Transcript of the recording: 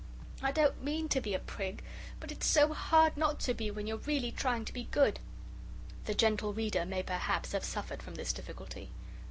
"I don't mean to be a prig. But it's so hard not to be when you're really trying to be good." (The Gentle Reader may perhaps have suffered from this difficulty.)